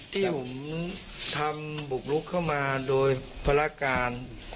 ที่ผมทำบุกลุกเข้ามาโดยภารการ